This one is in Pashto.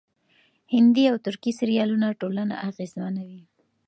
هندي او ترکي سريالونه ټولنه اغېزمنوي.